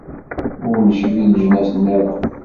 Ur necbi leǧnas nniḍen.